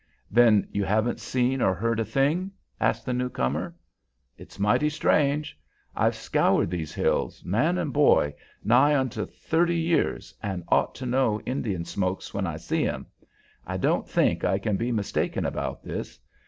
"Then you haven't seen or heard a thing?" asked the new comer. "It's mighty strange. I've scoured these hills man and boy nigh onto thirty years and ought to know Indian smokes when I see 'em. I don't think I can be mistaken about this.